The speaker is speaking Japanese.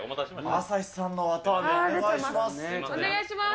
朝日さんのわたあめお願いします。